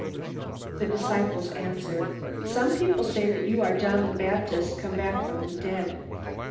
The disciples answered: "Some people say that you are John the Baptist, come back from the dead.